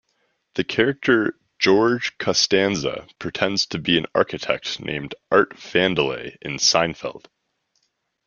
The character George Costanza pretends to be an architect named "Art Vandelay" in "Seinfeld".